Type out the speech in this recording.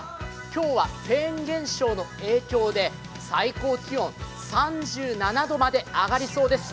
今日はフェーン現象の影響で最高気温３７度まで上がりそうです。